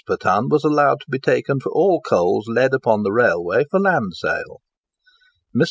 per ton was allowed to be taken for all coals led upon the railway for land sale. Mr.